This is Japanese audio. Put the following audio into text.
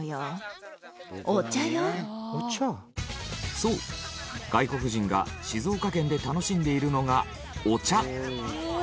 そう外国人が静岡県で楽しんでいるのがお茶。